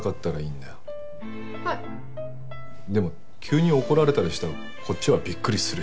でも急に怒られたりしたらこっちはびっくりするし。